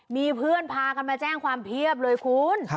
มีเพื่อนพากันมาแจ้งความเพียบเลยคุณ